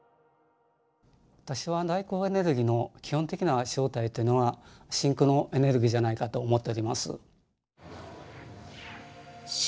私はダークエネルギーの基本的な正体というのは真空のエネルギーじゃないかと思っております。